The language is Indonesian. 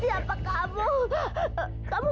kenapa kamu apapun